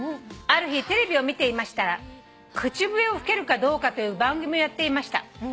「ある日テレビを見ていましたら口笛を吹けるかどうかという番組をやっていました」